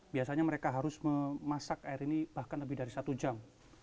biasanya mereka harus memasak air ini bahkan lebih dari satu jam